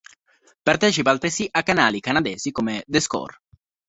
Partecipa altresì a canali canadesi come "The Score".